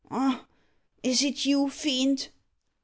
"Ah! is it you, Fiend?"